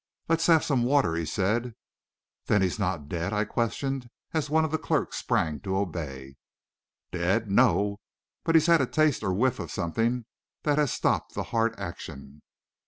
"Let's have some water," he said. "Then he's not dead?" I questioned, as one of the clerks sprang to obey. "Dead? No; but he's had a taste or whiff of something that has stopped the heart action."